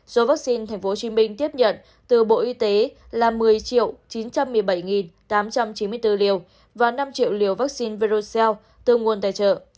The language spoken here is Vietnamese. số vaccine tp hcm tiếp nhận từ bộ y tế là một mươi chín trăm một mươi bảy tám trăm chín mươi bốn liều và năm triệu liều vaccine virocell tương nguồn tài trợ